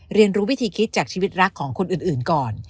เรียนรู้วิธีคิดจากชีวิตรักของคนอื่นก่อน